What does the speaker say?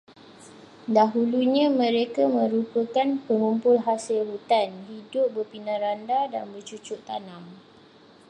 Dahulunya mereka merupakan pengumpul hasil hutan, hidup berpindah-randah, dan bercucuk tanam.